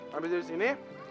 habis dari sini